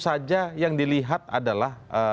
saja yang dilihat adalah